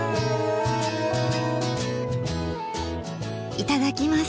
いただきます。